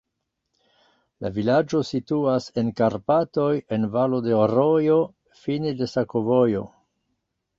La vilaĝo situas en Karpatoj en valo de rojo, fine de sakovojo.